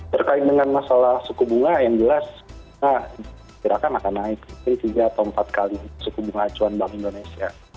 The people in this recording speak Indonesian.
terkait dengan masalah suku bunga yang jelas gerakan akan naik dari tiga atau empat kali suku bunga acuan bank indonesia